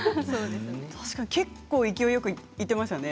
結構勢いよくやっていましたね。